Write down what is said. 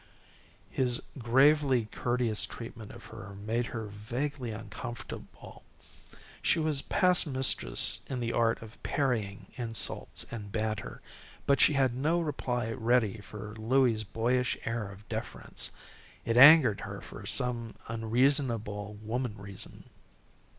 His gravely courteous treatment of her made her vaguely uncomfortable. She was past mistress in the art of parrying insults and banter, but she had no reply ready for Louie's boyish air of deference. It angered her for some unreasonable woman reason.